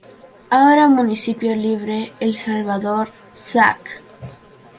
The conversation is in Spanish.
Ahora municipio libre El Salvador, Zac.